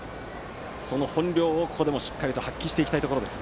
その本領を、ここでもしっかりと発揮したいところです。